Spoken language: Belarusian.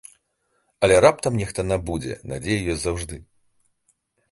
Але раптам нехта набудзе, надзея ёсць заўжды.